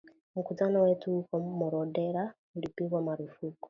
Mkutano wetu huko Marondera ulipigwa marufuku.